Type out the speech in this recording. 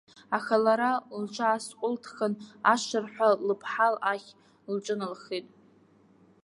Аха лара лҽаасҟәылҭхан, ашырҳәа лыԥҳал ахь лҿыналхеит.